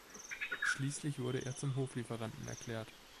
Schließlich wurde er zum Hoflieferanten erklärt.